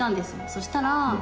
そしたら。